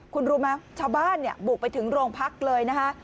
คุณรู้ไหมชาวบ้านเนี่ยบุกไปถึงโรงพักเลยนะคะ